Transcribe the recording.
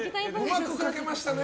うまく描けましたね。